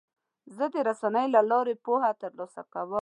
زه د رسنیو له لارې پوهه ترلاسه کوم.